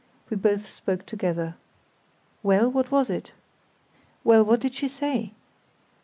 We both spoke together. "Well, what was it?" "Well, what did she say?"